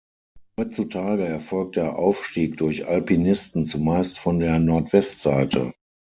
Heutzutage erfolgt der Aufstieg durch Alpinisten zumeist von der Nordwestseite.